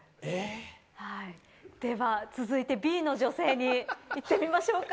続いてＢの女性にいってみましょうか。